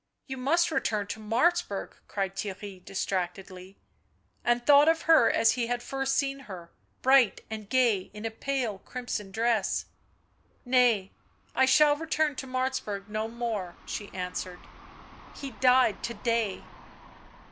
" You must return to Martzburg," cried Theirry distractedly ; and thought of her as he had first seen her, bright and gay, in a pale crimson dress. ..." Kay, I shall return to Martzburg no more," she answered. " He died to day."